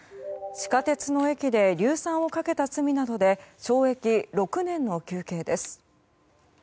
地下鉄の駅で硫酸をかけた罪などで懲役６年の求刑です。